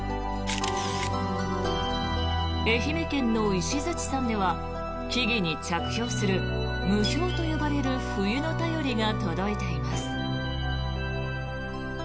愛媛県の石槌山では木々に着氷する霧氷と呼ばれる冬の便りが届いています。